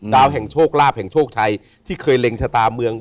ดาวแห่งโชคลาภแห่งโชคชัยที่เคยเล็งชะตาเมือง